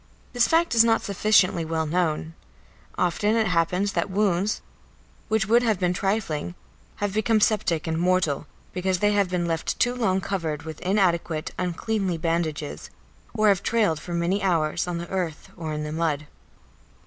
This fact is not sufficiently well known; often it happens that wounds which would have been trifling have become septic and mortal because they have been left too long covered with inadequate, uncleanly bandages, or have trailed for many hours on the earth or in the mud.